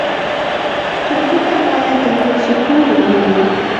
ټپي ته باید د زړه سکون ومومو.